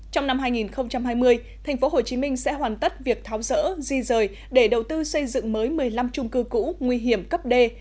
trong năm hai nghìn hai mươi tp hcm sẽ hoàn tất việc tháo rỡ di rời để đầu tư xây dựng mới một mươi năm trung cư cũ nguy hiểm cấp d